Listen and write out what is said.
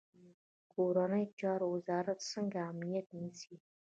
کورنیو چارو وزارت څنګه امنیت نیسي؟